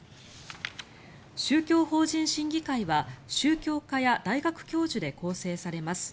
宗教法人審議会は宗教家や大学教授で構成されます。